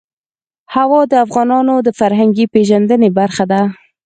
هوا د افغانانو د فرهنګي پیژندنې برخه ده.